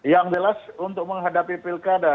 yang jelas untuk menghadapi pilkada